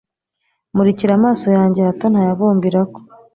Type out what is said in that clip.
Murikira amaso yanjye hato ntayabumbirako